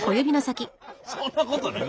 そんなことない。